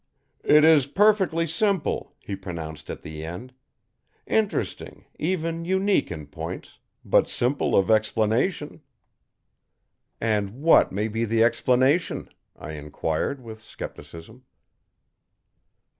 "It is perfectly simple," he pronounced at the end. "Interesting, even unique in points, but simple of explanation." "And what may be the explanation?" I inquired with scepticism.